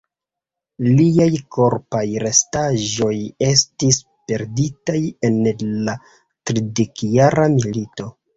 Liaj korpaj restaĵoj estis perditaj en la Tridekjara Milito.